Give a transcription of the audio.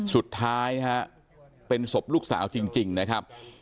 สุดท้ายฮะเป็นศพลูกสาวจริงนะครับ